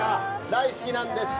大好きなんです。